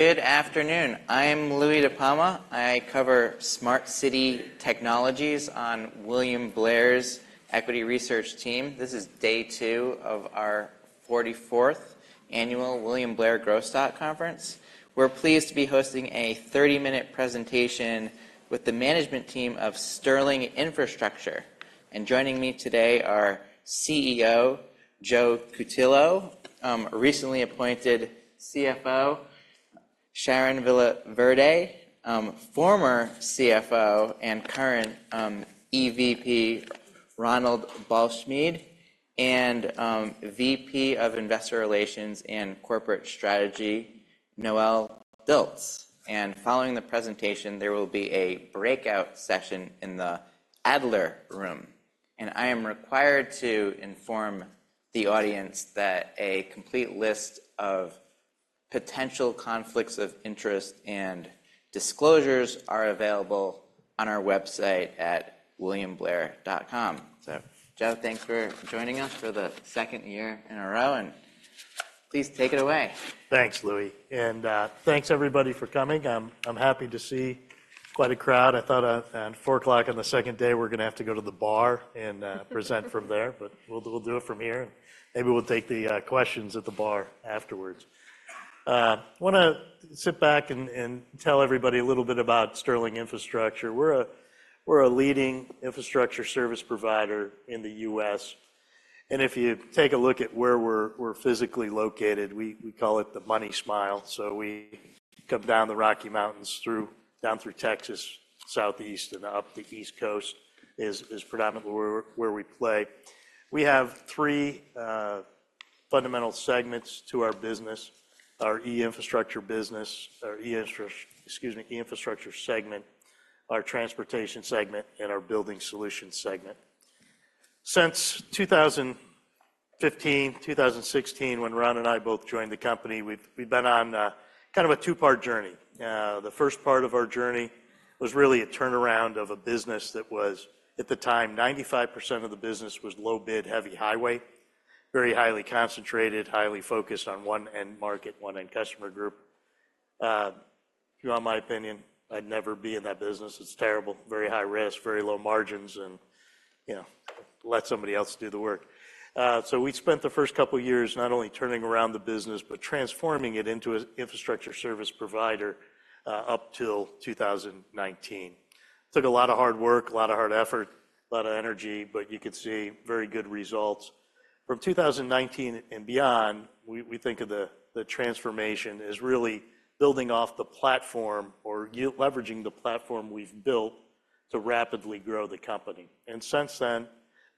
Good afternoon. I am Louis DiPalma. I cover smart city technologies on William Blair's equity research team. This is day 2 of our 44th annual William Blair Growth Stock Conference. We're pleased to be hosting a 30-minute presentation with the management team of Sterling Infrastructure. Joining me today are CEO Joe Cutillo, recently appointed CFO Sharon Villaverde, former CFO and current EVP Ronald Ballschmiede, and VP of Investor Relations and Corporate Strategy, Noelle Dilts. Following the presentation, there will be a breakout session in the Adler Room. I am required to inform the audience that a complete list of potential conflicts of interest and disclosures are available on our website at williamblair.com. So Joe, thanks for joining us for the second year in a row, and please take it away. Thanks, Louis, and thanks everybody for coming. I'm happy to see quite a crowd. I thought at 4:00 P.M. on the second day, we're gonna have to go to the bar and present from there, but we'll do it from here. Maybe we'll take the questions at the bar afterwards. I wanna sit back and tell everybody a little bit about Sterling Infrastructure. We're a leading infrastructure service provider in the U.S., and if you take a look at where we're physically located, we call it the Money Smile. So we come down the Rocky Mountains, through down through Texas, southeast and up the East Coast, is predominantly where we play. We have three fundamental segments to our business: our E-infrastructure business, excuse me, E-infrastructure segment, our transportation segment, and our Building solutions segment. Since 2015, 2016, when Ron and I both joined the company, we've been on kind of a two-part journey. The first part of our journey was really a turnaround of a business that was, at the time, 95% of the business was low bid, heavy highway, very highly concentrated, highly focused on one end market, one end customer group. If you want my opinion, I'd never be in that business. It's terrible, very high risk, very low margins, and, you know, let somebody else do the work. So we spent the first couple of years not only turning around the business, but transforming it into an infrastructure service provider, up till 2019. Took a lot of hard work, a lot of hard effort, a lot of energy, but you could see very good results. From 2019 and beyond, we think of the transformation as really building off the platform or leveraging the platform we've built to rapidly grow the company. Since then,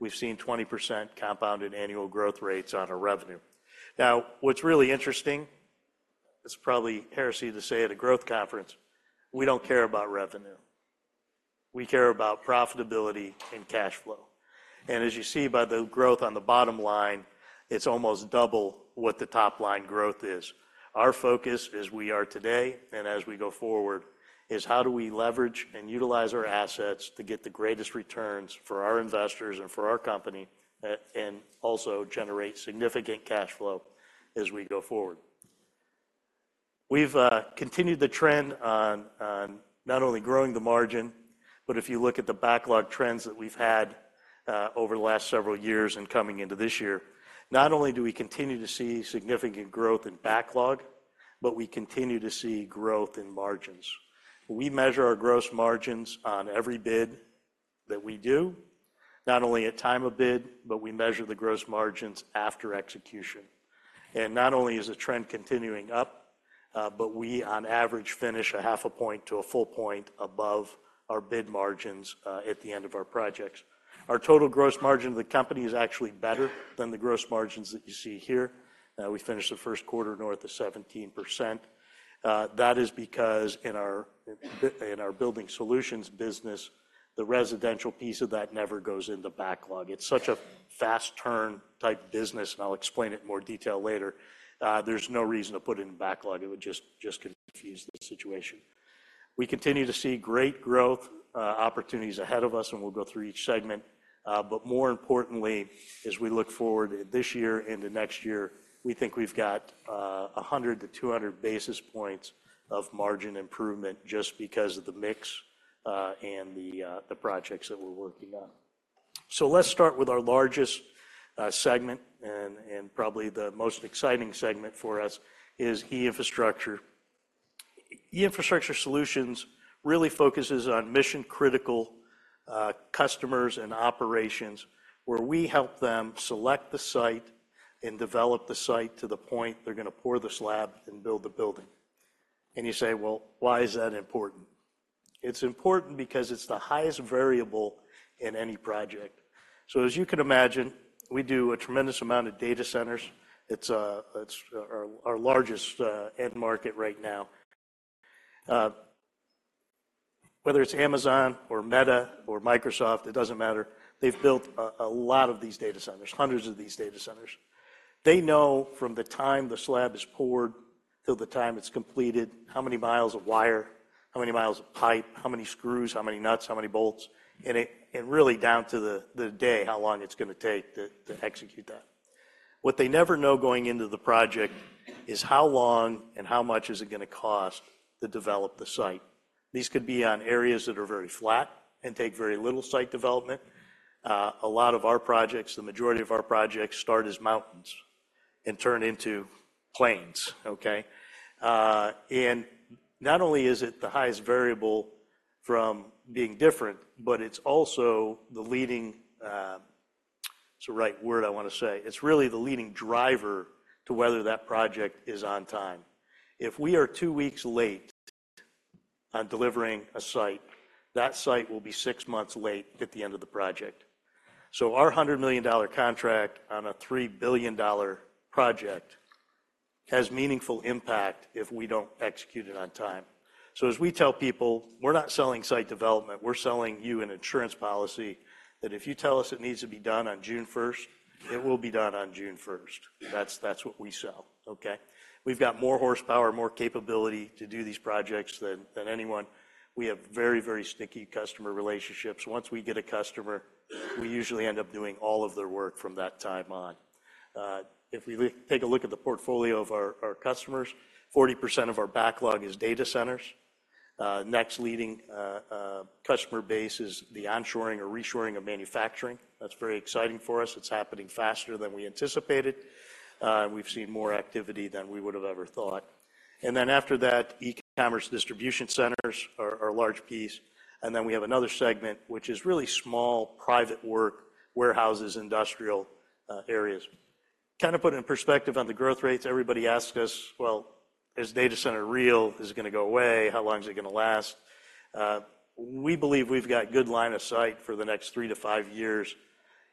we've seen 20% compounded annual growth rates on our revenue. Now, what's really interesting, it's probably heresy to say at a growth conference, we don't care about revenue. We care about profitability and cash flow, and as you see by the growth on the bottom line, it's almost double what the top-line growth is. Our focus as we are today and as we go forward, is how do we leverage and utilize our assets to get the greatest returns for our investors and for our company, and also generate significant cash flow as we go forward? We've continued the trend on not only growing the margin, but if you look at the backlog trends that we've had, over the last several years and coming into this year, not only do we continue to see significant growth in backlog, but we continue to see growth in margins. We measure our gross margins on every bid that we do, not only at time of bid, but we measure the gross margins after execution. Not only is the trend continuing up, but we on average finish 0.5 point to 1 point above our bid margins, at the end of our projects. Our total gross margin of the company is actually better than the gross margins that you see here. We finished the first quarter north of 17%. That is because in our Building Solutions business, the residential piece of that never goes into backlog. It's such a fast turn type business, and I'll explain it in more detail later. There's no reason to put it in backlog. It would just confuse the situation. We continue to see great growth opportunities ahead of us, and we'll go through each segment. But more importantly, as we look forward this year into next year, we think we've got 100-200 basis points of margin improvement just because of the mix and the projects that we're working on. So let's start with our largest segment, and probably the most exciting segment for us is E-Infrastructure. E-Infrastructure Solutions really focuses on mission-critical customers and operations, where we help them select the site and develop the site to the point they're gonna pour the slab and build the building. And you say, "Well, why is that important?" It's important because it's the highest variable in any project. So as you can imagine, we do a tremendous amount of data centers. It's our largest end market right now. Whether it's Amazon or Meta or Microsoft, it doesn't matter. They've built a lot of these data centers, hundreds of these data centers. They know from the time the slab is poured till the time it's completed, how many miles of wire, how many miles of pipe, how many screws, how many nuts, how many bolts, and really down to the day, how long it's gonna take to execute that.... What they never know going into the project is how long and how much is it gonna cost to develop the site. These could be on areas that are very flat and take very little site development. A lot of our projects, the majority of our projects, start as mountains and turn into plains, okay? And not only is it the highest variable from being different, but it's also the leading, what's the right word I wanna say? It's really the leading driver to whether that project is on time. If we are 2 weeks late on delivering a site, that site will be 6 months late at the end of the project. So our $100 million contract on a $3 billion project has meaningful impact if we don't execute it on time. So as we tell people, we're not selling site development, we're selling you an insurance policy that if you tell us it needs to be done on June first, it will be done on June first. That's, that's what we sell, okay? We've got more horsepower, more capability to do these projects than anyone. We have very, very sticky customer relationships. Once we get a customer, we usually end up doing all of their work from that time on. Take a look at the portfolio of our customers, 40% of our backlog is data centers. Next leading customer base is the onshoring or reshoring of manufacturing. That's very exciting for us. It's happening faster than we anticipated. We've seen more activity than we would have ever thought. And then after that, e-commerce distribution centers are a large piece. And then we have another segment, which is really small, private work, warehouses, industrial areas. Kind of put it in perspective on the growth rates. Everybody asks us, "Well, is data center real? Is it gonna go away? How long is it gonna last?" We believe we've got good line of sight for the next 3-5 years,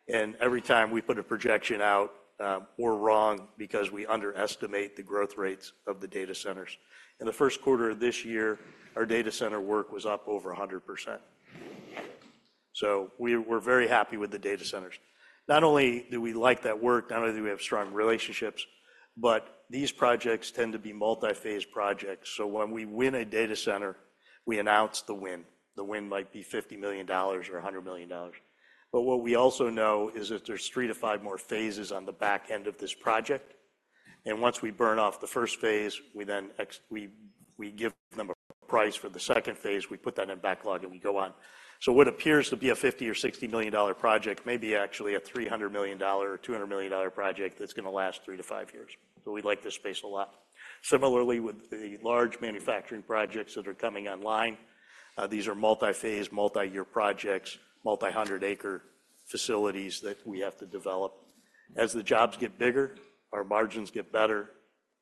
and every time we put a projection out, we're wrong because we underestimate the growth rates of the data centers. In the first quarter of this year, our data center work was up over 100%. So we're very happy with the data centers. Not only do we like that work, not only do we have strong relationships, but these projects tend to be multi-phase projects. So when we win a data center, we announce the win. The win might be $50 million or $100 million. But what we also know is that there's 3-5 more phases on the back end of this project, and once we burn off the first phase, we then give them a price for the second phase. We put that in backlog, and we go on. So what appears to be a $50 million or $60 million project may be actually a $300 million or $200 million project that's gonna last 3-5 years, so we like this space a lot. Similarly, with the large manufacturing projects that are coming online, these are multi-phase, multi-year projects, multi-hundred acre facilities that we have to develop. As the jobs get bigger, our margins get better,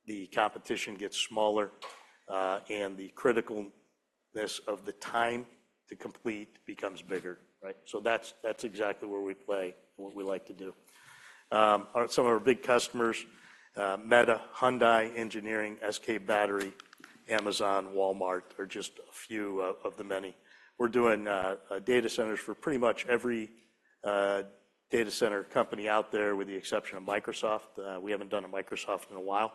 the competition gets smaller, and the criticalness of the time to complete becomes bigger, right? So that's exactly where we play and what we like to do. Some of our big customers, Meta, Hyundai Engineering, SK Battery, Amazon, Walmart, are just a few of the many. We're doing data centers for pretty much every data center company out there, with the exception of Microsoft. We haven't done a Microsoft in a while.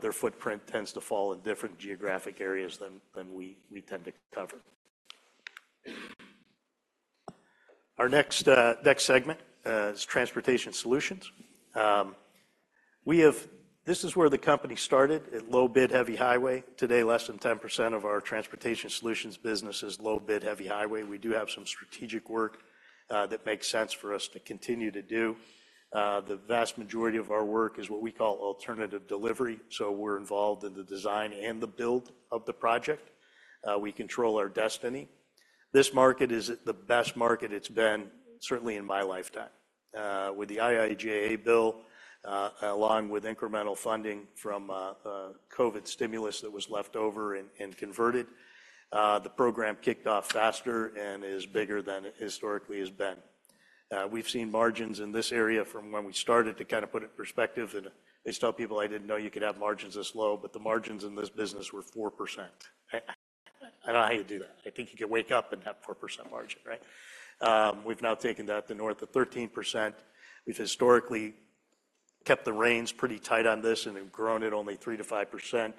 Their footprint tends to fall in different geographic areas than we tend to cover. Our next segment is Transportation solutions. This is where the company started, at low-bid, heavy highway. Today, less than 10% of our Transportation solutions business is low bid, heavy highway. We do have some strategic work that makes sense for us to continue to do. The vast majority of our work is what we call alternative delivery, so we're involved in the design and the build of the project. We control our destiny. This market is the best market it's been, certainly in my lifetime. With the IIJA bill, along with incremental funding from COVID stimulus that was left over and converted, the program kicked off faster and is bigger than it historically has been. We've seen margins in this area from when we started, to kind of put it in perspective, and I used to tell people, "I didn't know you could have margins this low," but the margins in this business were 4%. I don't know how you do that. I think you could wake up and have 4% margin, right? We've now taken that to north of 13%. We've historically kept the reins pretty tight on this and have grown it only 3%-5%.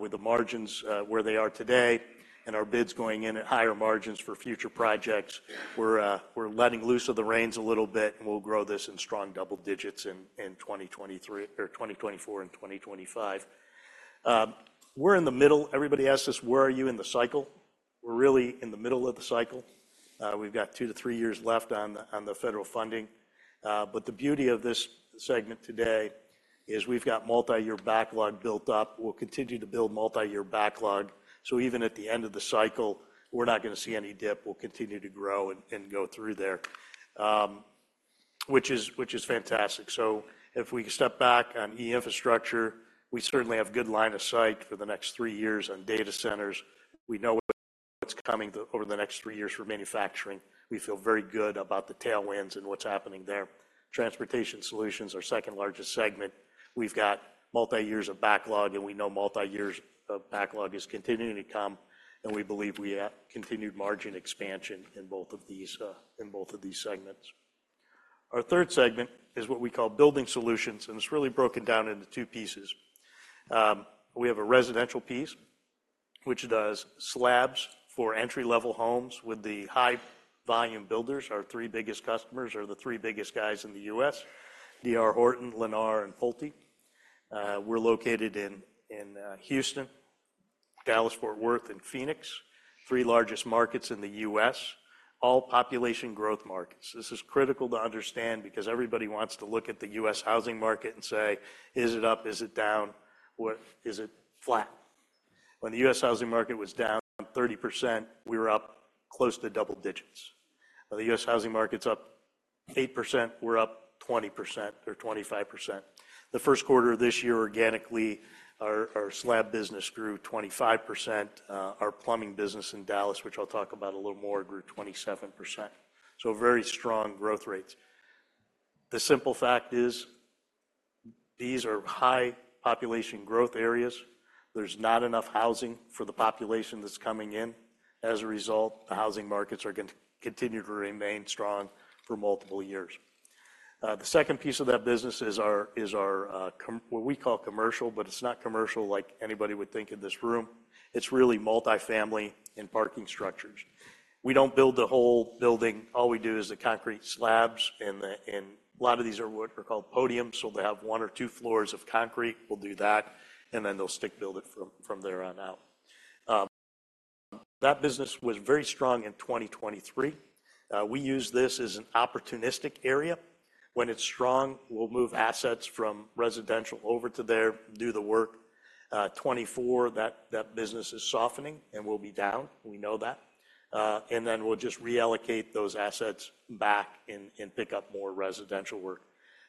With the margins where they are today and our bids going in at higher margins for future projects, we're letting loose of the reins a little bit, and we'll grow this in strong double digits in 2023 or 2024 and 2025. We're in the middle. Everybody asks us, "Where are you in the cycle?" We're really in the middle of the cycle. We've got 2-3 years left on the federal funding. But the beauty of this segment today is we've got multi-year backlog built up. We'll continue to build multi-year backlog, so even at the end of the cycle, we're not gonna see any dip. We'll continue to grow and and go through there, which is, which is fantastic. So if we step back on E-Infrastructure, we certainly have good line of sight for the next three years on data centers. We know what's coming over the next three years for manufacturing. We feel very good about the tailwinds and what's happening there. Transportation Solutions, our second-largest segment, we've got multiyears of backlog, and we know multiyears of backlog is continuing to come, and we believe we have continued margin expansion in both of these, in both of these segments. Our third segment is what we call Building Solutions, and it's really broken down into two pieces. We have a residential piece which does slabs for entry-level homes with the high-volume builders. Our three biggest customers are the three biggest guys in the U.S.: D.R. Horton, Lennar, and Pulte. We're located in Houston, Dallas-Fort Worth, and Phoenix, three largest markets in the U.S., all population growth markets. This is critical to understand because everybody wants to look at the U.S. housing market and say, "Is it up? Is it down? Is it flat?" When the U.S. housing market was down 30%, we were up close to double digits. Now, the U.S. housing market's up 8%, we're up 20% or 25%. The first quarter of this year, organically, our slab business grew 25%. Our plumbing business in Dallas, which I'll talk about a little more, grew 27%. So very strong growth rates. The simple fact is, these are high population growth areas. There's not enough housing for the population that's coming in. As a result, the housing markets are continue to remain strong for multiple years. The second piece of that business is our commercial, but it's not commercial like anybody would think in this room. It's really multifamily and parking structures. We don't build the whole building. All we do is the concrete slabs, and a lot of these are what are called podiums, so they have one or two floors of concrete. We'll do that, and then they'll stick build it from there on out. That business was very strong in 2023. We use this as an opportunistic area. When it's strong, we'll move assets from residential over to there, do the work. 24, that business is softening and will be down. We know that. And then we'll just reallocate those assets back and pick up more residential work.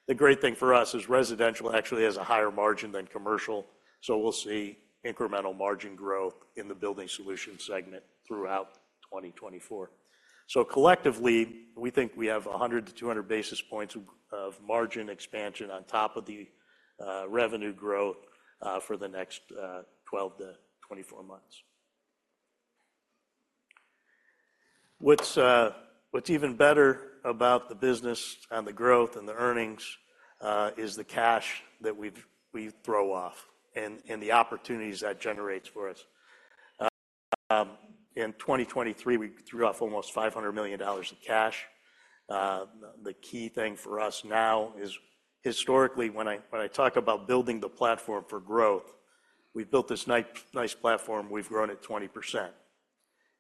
The great thing for us is residential actually has a higher margin than commercial, so we'll see incremental margin growth in the Building Solutions segment throughout 2024. So collectively, we think we have 100-200 basis points of margin expansion on top of the revenue growth for the next 12-24 months. What's even better about the business and the growth and the earnings is the cash that we throw off and the opportunities that generates for us. In 2023, we threw off almost $500 million of cash. The key thing for us now is, historically, when I talk about building the platform for growth, we've built this nice platform, we've grown it 20%.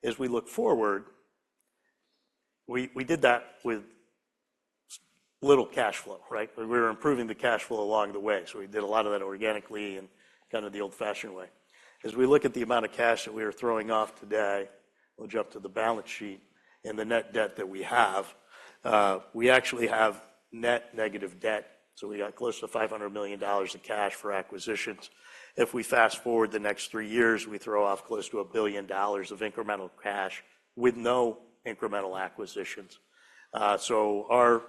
As we look forward, we, we did that with little cash flow, right? We were improving the cash flow along the way, so we did a lot of that organically and kind of the old-fashioned way. As we look at the amount of cash that we are throwing off today, we'll jump to the balance sheet and the net debt that we have. We actually have net negative debt, so we got close to $500 million in cash for acquisitions. If we fast-forward the next three years, we throw off close to $1 billion of incremental cash with no incremental acquisitions. So our,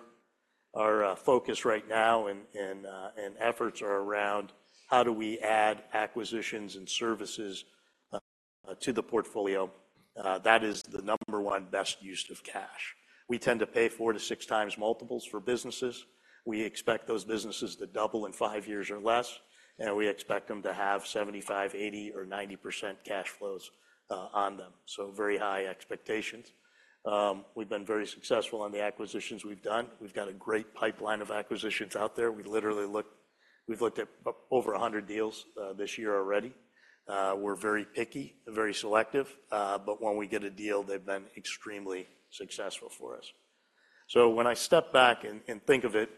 our focus right now and, and efforts are around how do we add acquisitions and services to the portfolio? That is the number one best use of cash. We tend to pay 4-6x multiples for businesses. We expect those businesses to double in five years or less, and we expect them to have 75%, 80%, or 90% cash flows on them. So very high expectations. We've been very successful on the acquisitions we've done. We've got a great pipeline of acquisitions out there. We've literally looked at over 100 deals this year already. We're very picky and very selective, but when we get a deal, they've been extremely successful for us. So when I step back and think of it,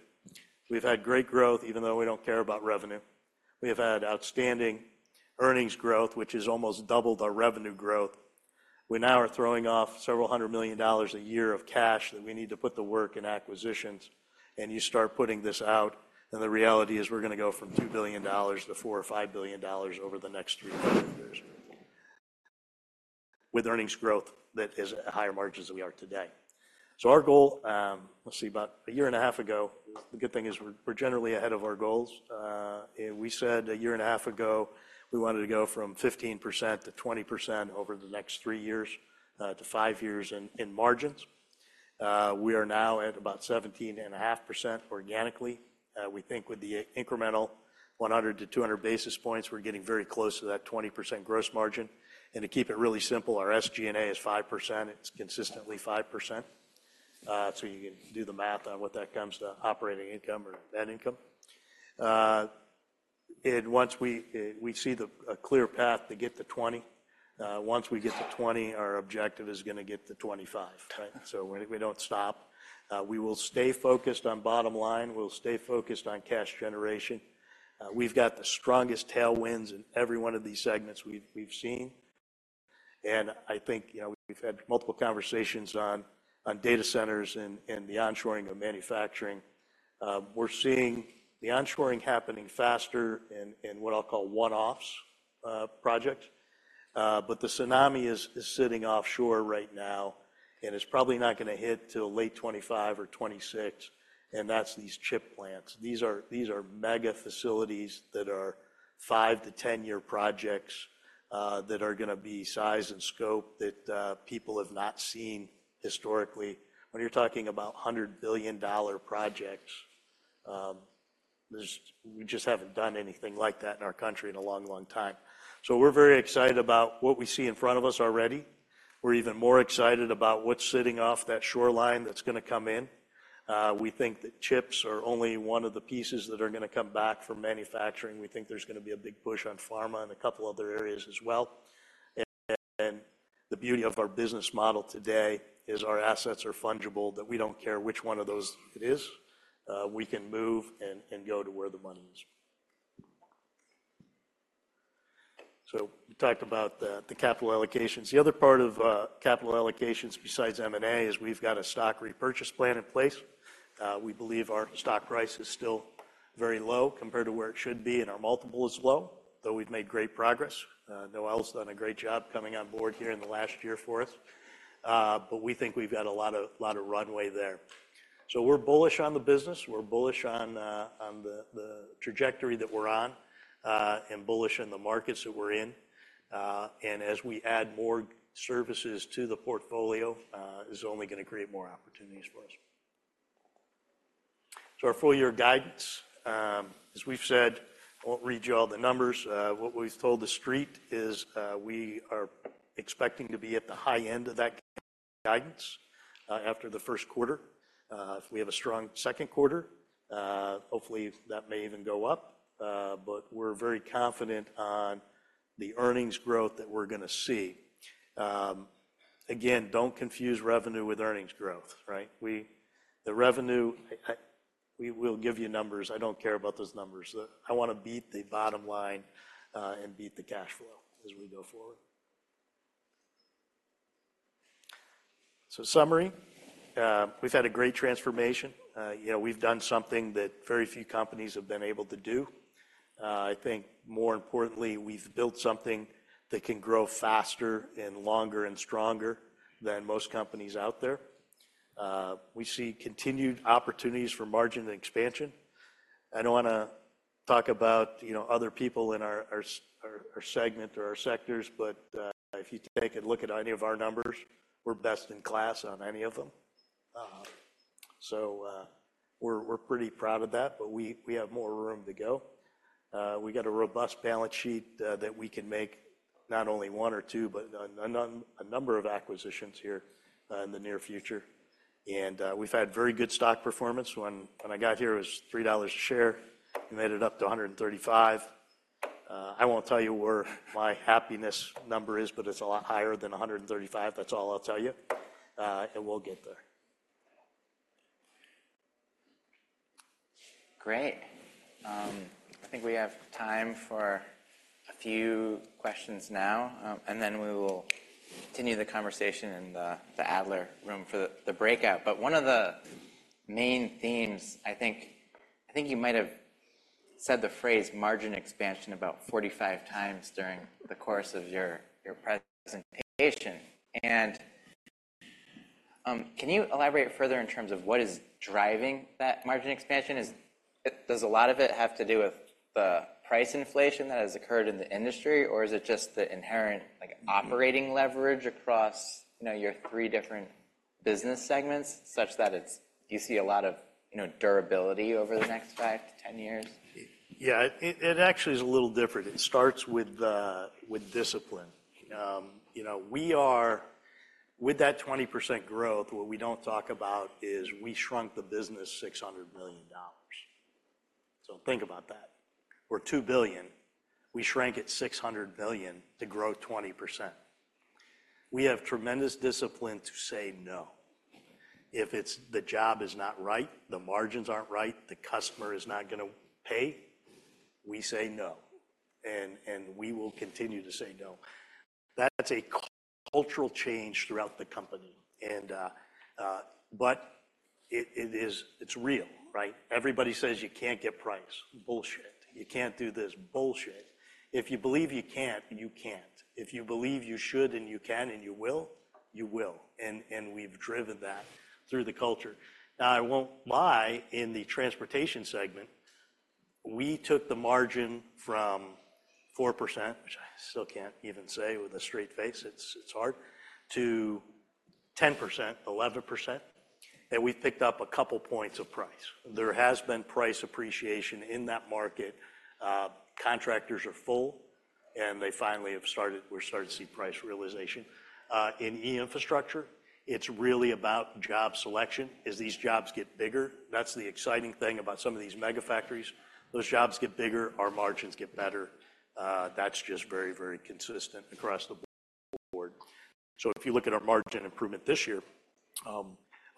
we've had great growth, even though we don't care about revenue. We have had outstanding earnings growth, which is almost double the revenue growth. We now are throwing off several hundred million a year of cash that we need to put the work in acquisitions, and you start putting this out, and the reality is we're gonna go from $2 billion-$4 billion or $5 billion over the next 3-5 years, with earnings growth that is at higher margins than we are today. So our goal, about a year and a half ago, the good thing is we're, we're generally ahead of our goals. And we said a year and a half ago, we wanted to go from 15% to 20% over the next 3 years to 5 years in, in margins. We are now at about 17.5% organically. We think with the incremental 100-200 basis points, we're getting very close to that 20% gross margin. And to keep it really simple, our SG&A is 5%. It's consistently 5%. So you can do the math on what that comes to, operating income or net income. And once we see a clear path to get to 20, once we get to 20, our objective is gonna get to 25, right? So we don't stop. We will stay focused on bottom line. We'll stay focused on cash generation. We've got the strongest tailwinds in every one of these segments we've seen. And I think, you know, we've had multiple conversations on data centers and the onshoring of manufacturing. We're seeing the onshoring happening faster in what I'll call one-offs, project. But the tsunami is sitting offshore right now, and it's probably not gonna hit till late 2025 or 2026, and that's these chip plants. These are mega facilities that are 5-10 year projects, that are gonna be size and scope that, people have not seen historically. When you're talking about $100 billion projects, we just haven't done anything like that in our country in a long, long time. So we're very excited about what we see in front of us already. We're even more excited about what's sitting off that shoreline that's gonna come in. We think that chips are only one of the pieces that are gonna come back from manufacturing. We think there's gonna be a big push on pharma and a couple other areas as well. The beauty of our business model today is our assets are fungible, that we don't care which one of those it is. We can move and go to where the money is. So we talked about the capital allocations. The other part of capital allocations besides M&A is we've got a stock repurchase plan in place. We believe our stock price is still very low compared to where it should be, and our multiple is low, though we've made great progress. Noelle's done a great job coming on board here in the last year for us. But we think we've got a lot of runway there. So we're bullish on the business. We're bullish on the trajectory that we're on, and bullish on the markets that we're in. As we add more services to the portfolio, it's only gonna create more opportunities for us. So our full year guidance, as we've said, I won't read you all the numbers. What we've told the street is, we are expecting to be at the high end of that guidance, after the first quarter. If we have a strong second quarter, hopefully, that may even go up. But we're very confident on the earnings growth that we're gonna see. Again, don't confuse revenue with earnings growth, right? We the revenue, I we will give you numbers. I don't care about those numbers. I wanna beat the bottom line, and beat the cash flow as we go forward. So summary, we've had a great transformation. You know, we've done something that very few companies have been able to do. I think more importantly, we've built something that can grow faster and longer and stronger than most companies out there. We see continued opportunities for margin and expansion. I don't wanna talk about, you know, other people in our segment or our sectors, but if you take a look at any of our numbers, we're best in class on any of them. So, we're pretty proud of that, but we have more room to go. We got a robust balance sheet that we can make not only one or two, but a number of acquisitions here in the near future. And we've had very good stock performance. When I got here, it was $3 a share, and made it up to $135. I won't tell you where my happiness number is, but it's a lot higher than $135. That's all I'll tell you. And we'll get there. Great. I think we have time for a few questions now, and then we will continue the conversation in the Adler Room for the breakout. But one of the main themes, I think, I think you might have said the phrase margin expansion about 45 times during the course of your presentation. Can you elaborate further in terms of what is driving that margin expansion? Is, does a lot of it have to do with the price inflation that has occurred in the industry, or is it just the inherent, like, operating leverage across, you know, your three different business segments, such that it's, you see a lot of, you know, durability over the next 5-10 years? Yeah, it actually is a little different. It starts with discipline. You know, with that 20% growth, what we don't talk about is we shrunk the business $600 million. So think about that. We're $2 billion. We shrank it $600 million to grow 20%. We have tremendous discipline to say no. If the job is not right, the margins aren't right, the customer is not gonna pay, we say no, and we will continue to say no. That's a cultural change throughout the company, and but it is real, right? Everybody says you can't get price. Bullshit. You can't do this. Bullshit. If you believe you can't, you can't. If you believe you should and you can and you will, you will, and we've driven that through the culture. Now, I won't lie, in the transportation segment, we took the margin from 4%, which I still can't even say with a straight face, it's hard, to 10%, 11%, and we picked up a couple points of price. There has been price appreciation in that market. Contractors are full, and they finally have started—we're starting to see price realization. In E-infrastructure, it's really about job selection. As these jobs get bigger, that's the exciting thing about some of these mega factories. Those jobs get bigger, our margins get better. That's just very, very consistent across the board. So if you look at our margin improvement this year,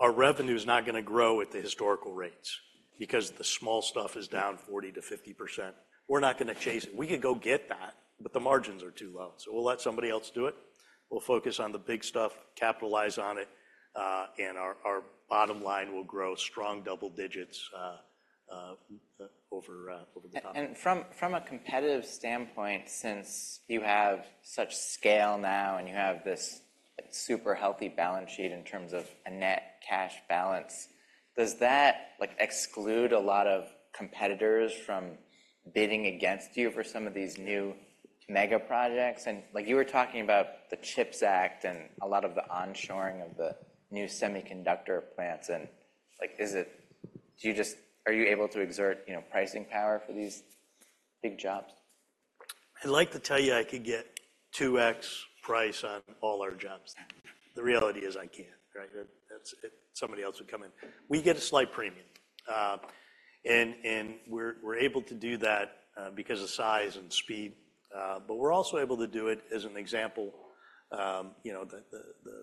our revenue is not gonna grow at the historical rates because the small stuff is down 40%-50%. We're not gonna chase it. We could go get that, but the margins are too low, so we'll let somebody else do it. We'll focus on the big stuff, capitalize on it, and our bottom line will grow strong double digits, over the top. From a competitive standpoint, since you have such scale now and you have this super healthy balance sheet in terms of a net cash balance, does that, like, exclude a lot of competitors from bidding against you for some of these new mega projects? And like you were talking about the CHIPS Act and a lot of the onshoring of the new semiconductor plants and, like, is it—do you just, are you able to exert, you know, pricing power for these big jobs? I'd like to tell you I could get 2x price on all our jobs. The reality is I can't, right? That's, somebody else would come in. We get a slight premium, and we're able to do that, because of size and speed, but we're also able to do it as an example, you know, the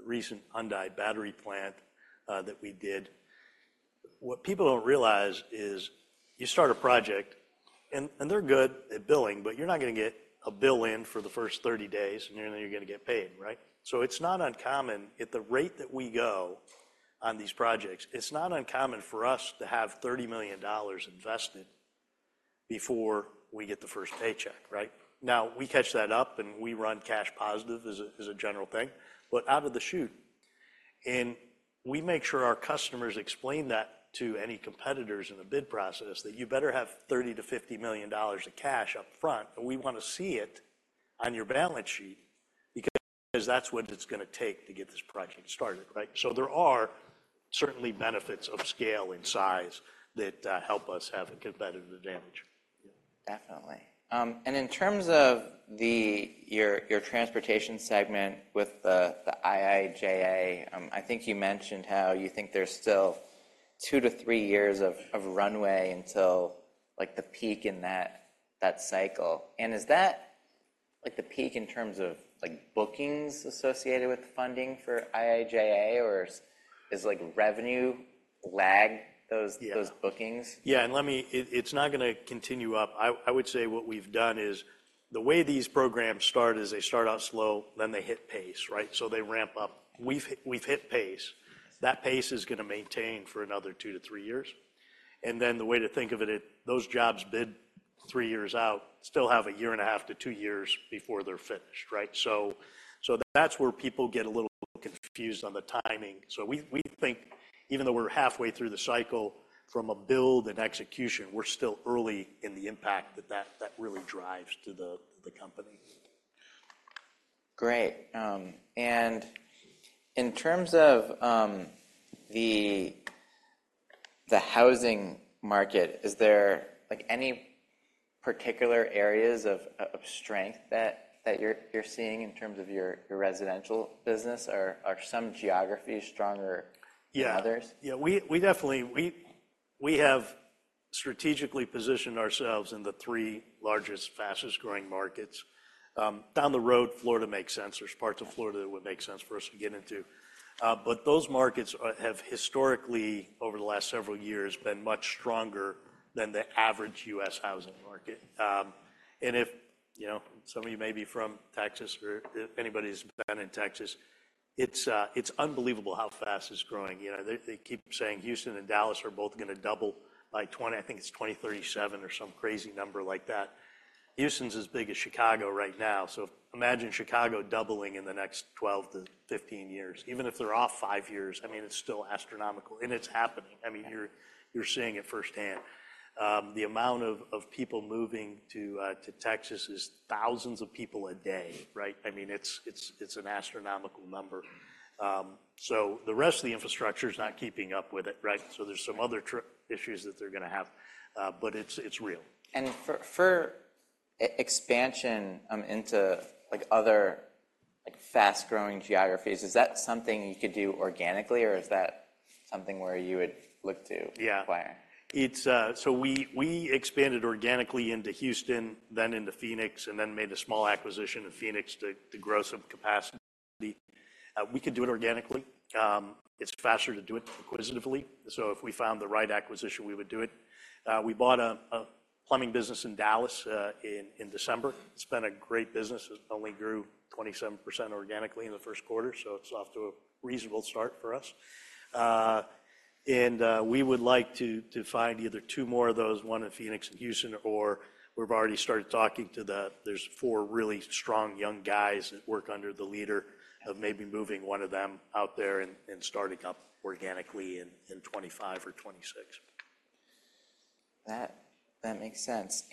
recent Hyundai battery plant, that we did. What people don't realize is you start a project and they're good at billing, but you're not gonna get a bill in for the first 30 days, and then you're gonna get paid, right? So it's not uncommon, at the rate that we go on these projects, it's not uncommon for us to have $30 million invested before we get the first paycheck, right? Now, we catch that up, and we run cash positive as a, as a general thing, but out of the chute. And we make sure our customers explain that to any competitors in the bid process, that you better have $30 million-$50 million of cash up front, and we want to see it on your balance sheet because, because that's what it's gonna take to get this project started, right? So there are certainly benefits of scale and size that help us have a competitive advantage. Definitely. In terms of your transportation segment with the IIJA, I think you mentioned how you think there's still two to three years of runway until, like, the peak in that cycle. Is that, like, the peak in terms of, like, bookings associated with the funding for IIJA, or is, like, revenue lag those- Yeah. those bookings? Yeah, and let me. It's not gonna continue up. I would say what we've done is, the way these programs start is they start out slow, then they hit pace, right? So they ramp up. We've hit pace. That pace is gonna maintain for another 2-3 years, and then the way to think of it, those jobs bid three years out still have a 1.5-2 years before they're finished, right? So that's where people get a little confused on the timing. So we think even though we're halfway through the cycle from a build and execution, we're still early in the impact that really drives to the company. Great. And in terms of the housing market, is there, like, any particular areas of strength that you're seeing in terms of your residential business? Or are some geographies stronger- Yeah - than others? Yeah, we definitely have strategically positioned ourselves in the three largest, fastest-growing markets. Down the road, Florida makes sense. There's parts of Florida that would make sense for us to get into. But those markets have historically, over the last several years, been much stronger than the average U.S. housing market. And if, you know, some of you may be from Texas, or if anybody's been in Texas, it's unbelievable how fast it's growing. You know, they keep saying Houston and Dallas are both gonna double by 20, I think it's 2037 or some crazy number like that. Houston's as big as Chicago right now, so imagine Chicago doubling in the next 12-15 years. Even if they're off five years, I mean, it's still astronomical, and it's happening. I mean, you're seeing it firsthand. The amount of people moving to Texas is thousands of people a day, right? I mean, it's an astronomical number. So the rest of the infrastructure is not keeping up with it, right? So there's some other issues that they're gonna have, but it's real. And for geographic expansion into like other like fast-growing geographies, is that something you could do organically, or is that something where you would look to- Yeah - acquire? It's so we expanded organically into Houston, then into Phoenix, and then made a small acquisition in Phoenix to grow some capacity. We could do it organically. It's faster to do it acquisitively. So if we found the right acquisition, we would do it. We bought a plumbing business in Dallas in December. It's been a great business. It only grew 27% organically in the first quarter, so it's off to a reasonable start for us. We would like to find either two more of those, one in Phoenix and Houston, or we've already started talking to the—there's four really strong young guys that work under the leader of maybe moving one of them out there and starting up organically in 2025 or 2026. That makes sense.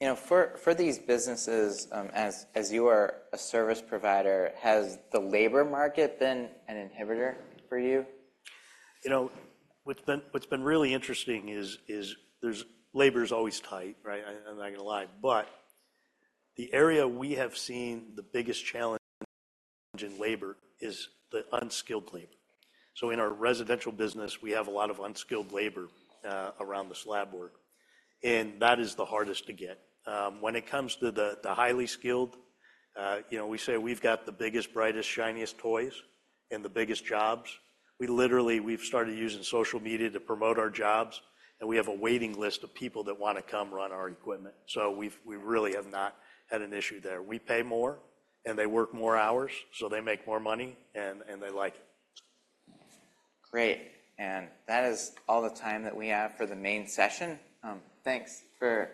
You know, for these businesses, as you are a service provider, has the labor market been an inhibitor for you? You know, what's been really interesting is, there's labor's always tight, right? I'm not gonna lie. But the area we have seen the biggest challenge in labor is the unskilled labor. So in our residential business, we have a lot of unskilled labor around the slab work, and that is the hardest to get. When it comes to the highly skilled, you know, we say we've got the biggest, brightest, shiniest toys and the biggest jobs. We literally have started using social media to promote our jobs, and we have a waiting list of people that wanna come run our equipment. So we really have not had an issue there. We pay more, and they work more hours, so they make more money, and they like it. Great, and that is all the time that we have for the main session. Thanks for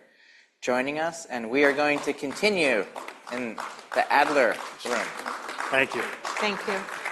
joining us, and we are going to continue in the Adler Room. Thank you. Thank you. Thank you.